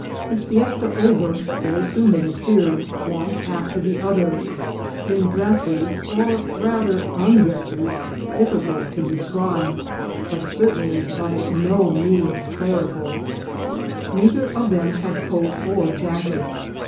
The siesta over, very soon they appeared, one after the other, in dresses, or rather undresses, difficult to describe, but certainly by no means clerical ; neither of them had coat or jacket.